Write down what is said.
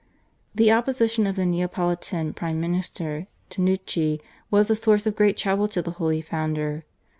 The opposition of the Neapolitan prime minister, Tanucci, was a source of great trouble to the holy founder.